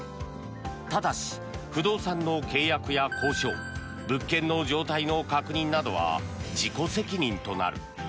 ただし、不動産の契約や交渉物件の状態の確認などは自己責任となる。